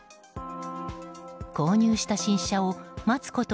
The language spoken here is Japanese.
購入した新車を待つこと